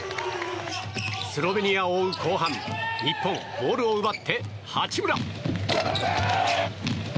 スロベニアを追う後半日本、ボールを奪って八村。